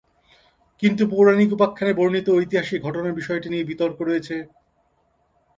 কিন্তু পৌরাণিক উপাখ্যানে বর্ণিত ঐতিহাসিক ঘটনার বিষয়টি নিয়ে বিতর্ক রয়েছে।